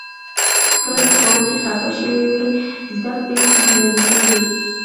کله چې ښوونکي خفه شوي وي، زده کړې ستونزمنې کیږي.